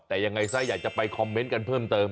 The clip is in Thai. แต่ยังไงซะอยากจะไปคอมเมนต์กันเพิ่มเติม